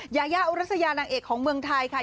ยายาอุรัสยานางเอกของเมืองไทยค่ะ